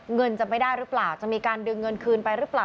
เงินจะไม่ได้หรือเปล่าจะมีการดึงเงินคืนไปหรือเปล่า